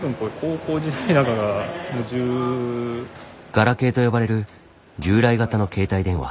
ガラケーと呼ばれる従来型の携帯電話。